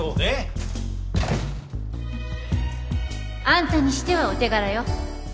あんたにしてはお手柄よ